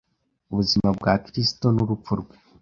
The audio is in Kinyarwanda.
Ubuzima bwa Kristo n’urupfu rwe,